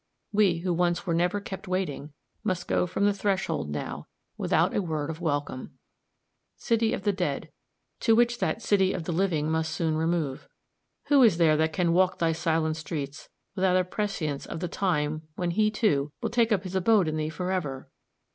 We, who once were never kept waiting, must go from the threshold now, without a word of welcome. City of the dead to which that city of the living must soon remove who is there that can walk thy silent streets without a prescience of the time when he, too, will take up his abode in thee for ever?